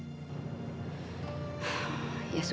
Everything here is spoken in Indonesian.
kalau mas maunya begitu